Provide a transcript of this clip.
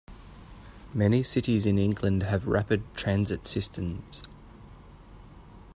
Many cities in England have rapid transit systems.